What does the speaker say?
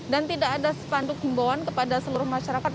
dan tidak ada sepanduk himbauan kepada seluruh masyarakat